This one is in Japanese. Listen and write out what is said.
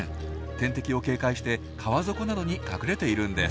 天敵を警戒して川底などに隠れているんです。